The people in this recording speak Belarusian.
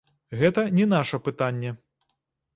Гэта не наша пытанне.